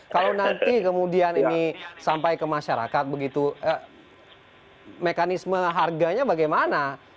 kalau nanti kemudian ini sampai ke masyarakat begitu mekanisme harganya bagaimana